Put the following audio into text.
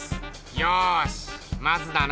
よしまずだな